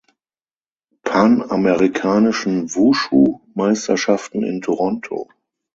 Panamerikanischen Wushu-Meisterschaften in Toronto.